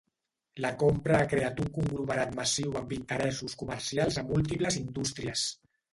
La compra ha creat un conglomerat massiu amb interessos comercials a múltiples indústries.